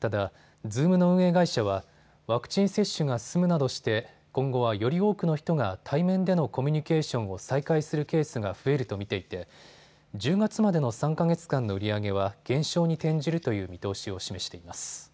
ただズームの運営会社はワクチン接種が進むなどして今後はより多くの人が対面でのコミュニケーションを再開するケースが増えると見ていて１０月までの３か月間の売り上げは減少に転じるという見通しを示しています。